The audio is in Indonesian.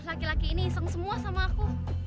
laki laki ini iseng semua sama aku